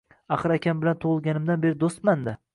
Axir akam bilan tug`ilganimdan beri do`stman-da